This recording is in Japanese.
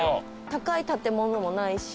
高い建物もないし。